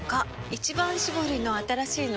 「一番搾り」の新しいの？